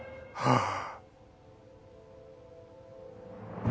ああ！